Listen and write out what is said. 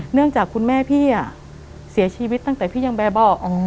จากคุณแม่พี่เสียชีวิตตั้งแต่พี่ยังแบบบอก